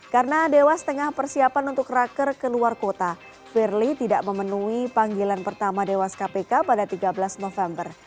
karena dewas tengah persiapan untuk raker ke luar kota firly tidak memenuhi panggilan pertama dewas kpk pada tiga belas november